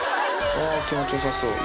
ああ、気持ちよさそう。